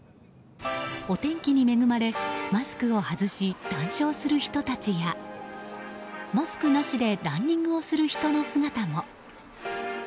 お天気に恵まれ、マスクを外し談笑する人たちやマスクなしでランニングする人の姿も。